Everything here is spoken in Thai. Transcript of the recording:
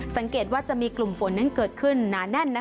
สังเกตว่าจะมีกลุ่มฝนนั้นเกิดขึ้นหนาแน่น